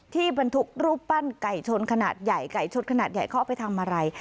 บรรทุกรูปปั้นไก่ชนขนาดใหญ่ไก่ชนขนาดใหญ่เขาเอาไปทำอะไร